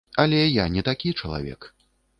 Але я не такі чалавек.